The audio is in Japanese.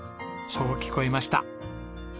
そう聞こえました。